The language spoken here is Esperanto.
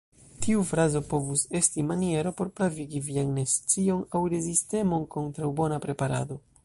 Tiu frazo povus esti maniero por pravigi vian nescion aŭ rezistemon kontraŭ bona preparado.